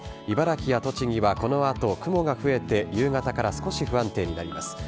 茨城や栃木はこのあと、雲が増えて、夕方から少し不安定になります。